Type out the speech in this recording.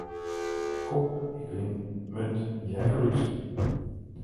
Kop, ik win, munt, jij verliest...